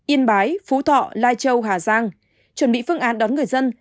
yên bái phú thọ lai châu hà giang chuẩn bị phương án đón người dân